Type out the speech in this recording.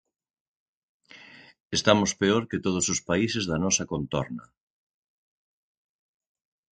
Estamos peor que todos os países da nosa contorna.